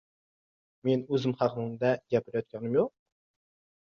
Men o‘zim haqimda gapirayotganim yo‘q